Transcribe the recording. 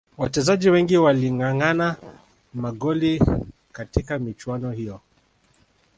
wachezaji wengi walilingangana magoli katika michuano hiyo